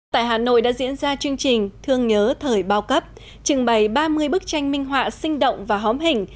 tại hà nội đã diễn ra chương trình thương nhớ thời bao cấp trình bày ba mươi bức tranh minh họa sinh động và hóm hình